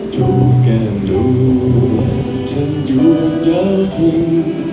ทุกแก่มนุ่มฉันยุ่นเดาขึ้น